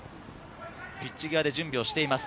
ピッチ際で準備をしています。